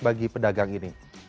bagi pedagang ini